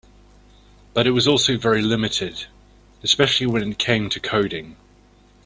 But it was also very limited, especially when it came to coding.